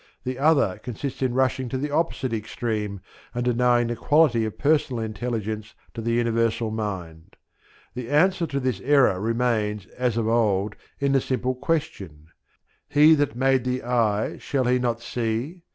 The other consists in rushing to the opposite extreme and denying the quality of personal intelligence to the Universal Mind. The answer to this error remains, as of old, in the simple question, "He that made the eye shall He not see?